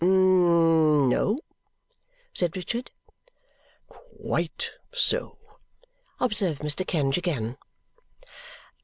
"N no," said Richard. "Quite so!" observed Mr. Kenge again.